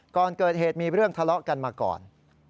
ก่อนเกิดเหตุมีเรื่องทะเลาะกันมาก่อน